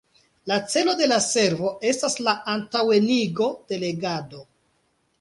La celo de la servo estas la antaŭenigo de legado.